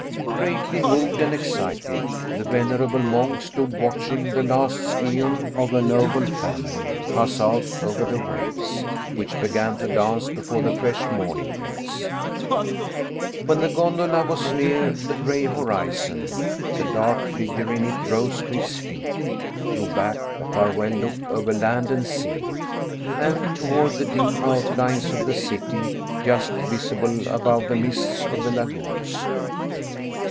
Greatly moved and excited, the venerable monk stood watching the last scion of a noble family pass out over the waves, which began to dance before the fresh morning breeze. When the gondola was near the gray horizon the dark figure in it rose to its feet, threw back a farewell look over land and sea, and toward the dim outlines of the city just visible above the mists of the lagoons.